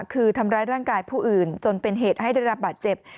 คือทำร้ายร่างกายผู้อื่นจนเป็นเหตุให้ได้รับบาดเจ็บ